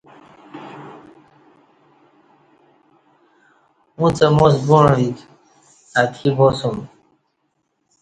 اُݩڅ اہ ماس بوعی ویک اتکی باسوم